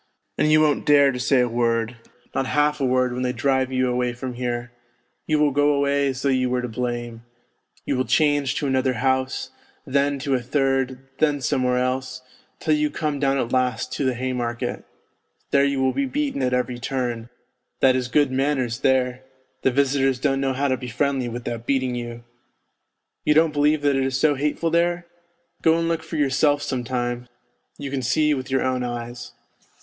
And you won't dare to say a word, not half a word when they drive you away from here ; you will go away as though j'ou were to blame. You will change to another house, then to a third, then somewhere else, till you come down at last to the Haymarket. There you will be beaten at every turn; that is good manners there, the visitors don't know how to be friendly without beating you. You don't believe that it is so hateful there ? Go and look for yourself some time, you can see with your own eyes.